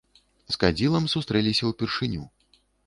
З кадзілам сустрэліся ўпершыню.